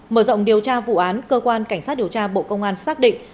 mở rộng điều tra vụ án cơ quan cảnh sát điều tra bộ công an xác định